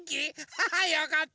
ハハよかった。